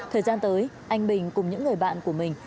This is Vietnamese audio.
thời gian tới anh bình cùng những người bạn của mình